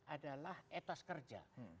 adalah etos kerja